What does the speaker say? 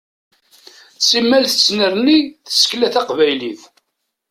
Simmal tettnerni tsekla taqnaylit.